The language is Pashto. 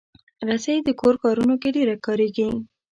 رسۍ د کور کارونو کې ډېره کارېږي.